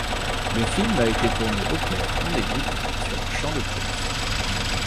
Le film a été tourné au Caire, en Égypte, sur un champ de courses.